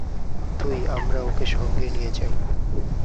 দুই, আমরা ওকে সঙ্গে নিয়ে যাই।